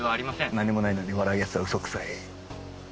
何もないのに笑う奴は嘘くさい。